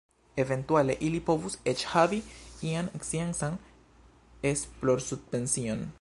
Eventuale ili povus eĉ havi ian sciencan esplorsubvencion.